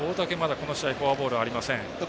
この試合まだフォアボールありません。